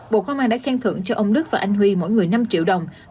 bộ công an đã khen thưởng cho ông đức và anh huy mỗi người năm triệu đồng